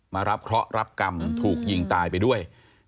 มารับเคราะห์รับกรรมถูกยิงตายไปด้วย